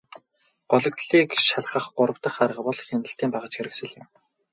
Гологдлыг шалгах гурав дахь арга бол хяналтын багажхэрэгслэл юм.